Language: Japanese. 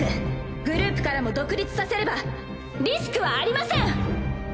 グループからも独立させればリスクはありません！